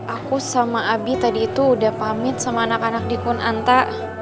aku sama abi tadi itu udah pamit sama anak anak di pun anta